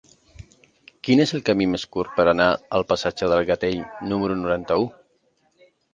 Quin és el camí més curt per anar al passatge del Gatell número noranta-u?